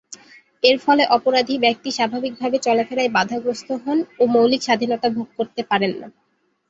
এরফলে অপরাধী ব্যক্তি স্বাভাবিকভাবে চলাফেরায় বাঁধাগ্রস্ত হন ও মৌলিক স্বাধীনতা ভোগ করতে পারেন না।